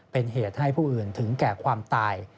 เป็นเหตุให้ผู้อื่นถึงแก่ความตาย